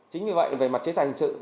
chính vì vậy về mặt chế tài hình sự